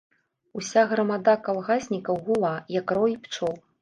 Уся грамада калгаснікаў гула, як рой пчол.